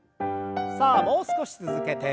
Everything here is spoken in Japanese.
さあもう少し続けて。